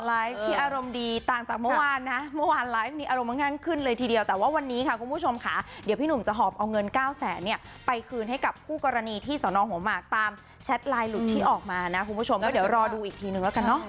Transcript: ที่อารมณ์ดีต่างจากเมื่อวานนะเมื่อวานไลฟ์มีอารมณ์ง่ายขึ้นเลยทีเดียวแต่ว่าวันนี้ค่ะคุณผู้ชมค่ะเดี๋ยวพี่หนุ่มจะหอบเอาเงินเก้าแสนเนี่ยไปคืนให้กับคู่กรณีที่สนหัวหมากตามแชทไลน์หลุดที่ออกมานะคุณผู้ชมก็เดี๋ยวรอดูอีกทีนึงแล้วกันเนอะ